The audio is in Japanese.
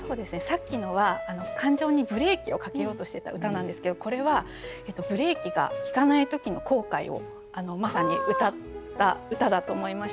さっきのは感情にブレーキをかけようとしてた歌なんですけどこれはブレーキが利かない時の後悔をまさにうたった歌だと思いました。